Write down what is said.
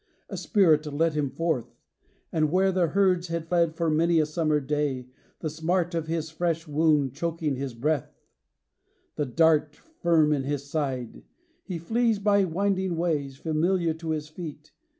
A spirit led him forth; and where the herds Had fed for many a summer day, the smart Of his fresh wound choking his breath, the dart Firm in his side, he flees by winding ways Familiar to his feet.